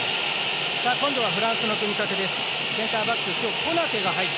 今度はフランスの組み立て。